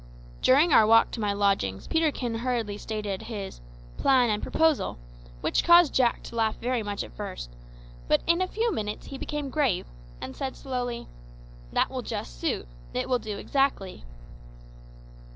During our walk to my lodgings Peterkin hurriedly stated his "plan and proposal," which caused Jack to laugh very much at first, but in a few minutes he became grave, and said slowly, "That will just suit it will do exactly."